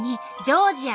ジョージア？